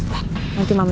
tidak ada apa apa